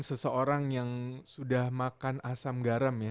seseorang yang sudah makan asam garam ya